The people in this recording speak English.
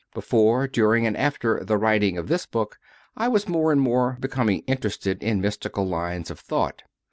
Before, during, and after the writing of this book I was more and more becoming interested in mystical lines of thought.